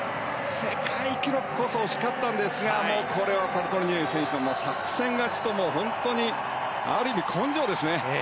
世界記録こそ惜しかったんですがこれはパルトリニエリ選手の作戦勝ちと本当にある意味、根性ですね。